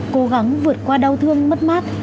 cố gắng vượt qua đau thương mất mát